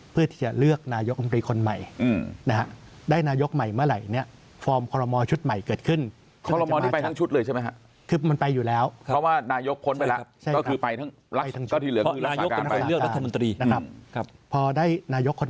เพื่อที่จะเลือกนายกันบริคนใหม่ได้นายกใหม่เมื่อไหร่เนี่ย